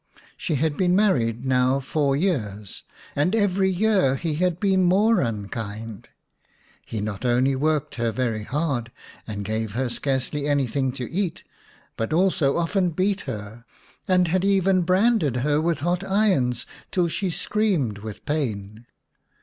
She had been married now four years, and every year he had been more unkind. He not only worked her very hard, and gave her scarcely any thing to eat, but also often beat her, and had even branded her with hot irons till she screamed with pain.